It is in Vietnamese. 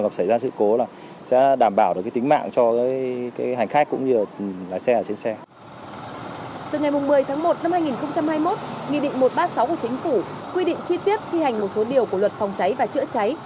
quy định chi tiết thi hành một số điều của luật phòng cháy và chữa cháy